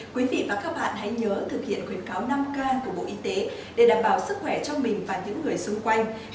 quý vị và các bạn hãy nhớ thực hiện khuyến cáo năm k của bộ y tế để đảm bảo sức khỏe cho mình và những người xung quanh